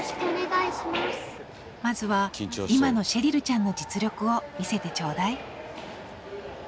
まずは今のシェリルちゃんの実力を見せてちょうだい